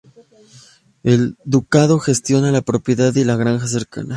El ducado gestiona la propiedad y la granja cercana.